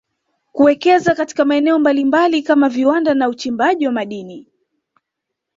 kuwekeza katika maeneo mbalimbali kama viwanda na uchimbaji wa madini